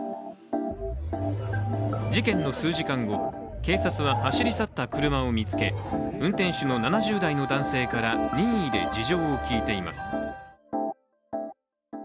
事件の数時間後、警察は走り去った車を見つけ、運転手の７０代の男性から任意で事情を聴いています。